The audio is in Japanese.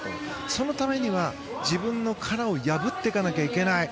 そのためには自分の殻を破っていかなきゃいけない。